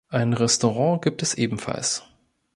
Ein Restaurant gibt es ebenfalls.